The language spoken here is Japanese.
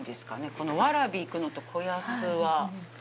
この蕨行くのと子安は。